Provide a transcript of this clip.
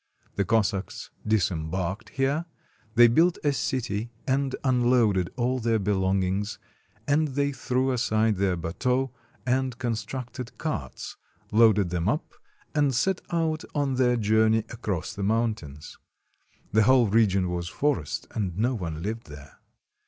The Cossacks disembarked here; they built a city and unloaded all their belongings, and they threw aside their bateaux, and constructed carts, loaded them up, 164 THE CONQUEST OF SIBERIA and set out on their journey across the mountains. The whole region was forest, and no one lived there.